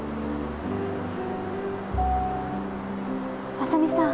浅見さん。